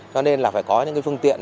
cho nên là phải có những phương tiện